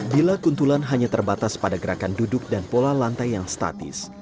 bila kuntulan hanya terbatas pada gerakan duduk dan pola lantai yang statis